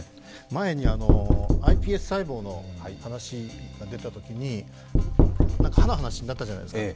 前にｉＰＳ細胞の話が出たときに、歯の話になったじゃないですか。